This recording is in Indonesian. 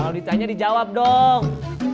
kalau ditanya dijawab dong